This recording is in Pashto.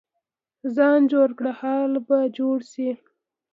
ځان جوړ کړه، حال به جوړ شي.